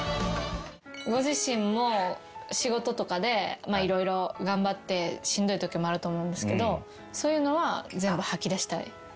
ご自身も仕事とかで色々頑張ってしんどいときもあると思うんですけどそういうのは全部吐き出したい？